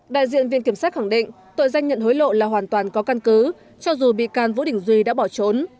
đại diện viện kiểm sát khẳng định tội danh nhận hối lộ là hoàn toàn có căn cứ cho dù bị can vũ đình duy đã bỏ trốn